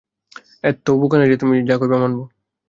এতও বোকা না যে, তুমি যা কইবা মানবো।